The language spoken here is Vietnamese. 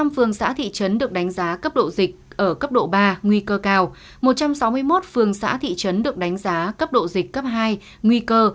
bốn mươi năm phường xã thị trấn được đánh giá cấp độ dịch ở cấp độ ba nguy cơ cao một trăm sáu mươi một phường xã thị trấn được đánh giá cấp độ dịch cấp hai nguy cơ